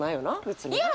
別に。